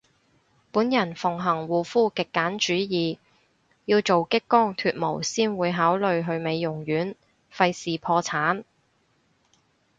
本人奉行護膚極簡主義，要做激光脫毛先會考慮去美容院，廢事破產